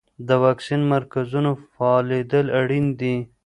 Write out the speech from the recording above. د واکسین د مرکزونو فعالیدل اړین دي.